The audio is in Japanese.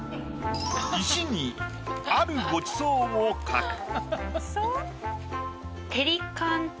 石にあるご馳走を描く。